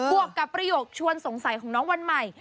วกกับประโยคชวนสงสัยของน้องวันใหม่